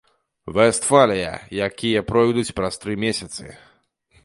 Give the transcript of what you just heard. Вестфалія, якія пройдуць праз тры месяцы.